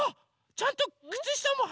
ちゃんとくつしたもはいてる！